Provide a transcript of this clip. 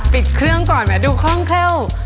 ปิดเครื่องก่อนแม้ดูคล่องเข้า